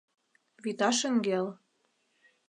Вӱта шеҥгел.